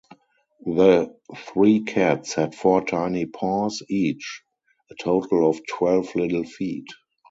The three cats had four tiny paws each, a total of twelve little feet.